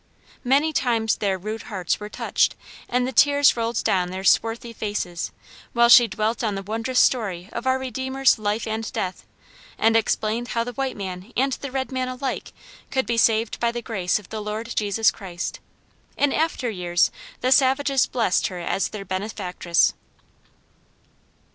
Many times their rude hearts were touched, and the tears rolled down their swarthy faces, while she dwelt on the wondrous story of our Redeemer's life and death, and explained how the white man and the red man alike could be saved by the grace of the Lord Jesus Christ. In after years the savages blessed her as their benefactress.